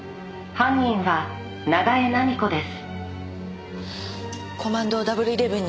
「犯人は長江菜美子です」